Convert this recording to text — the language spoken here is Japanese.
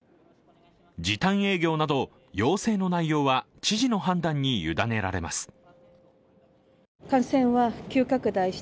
時短営業など要請の内容は知事の判断に委ねられます。